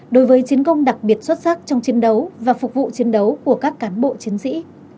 đối với chiến công đặc biệt xuất sắc trong chiến đấu và phục vụ chiến đấu của các cán bộ chiến sĩ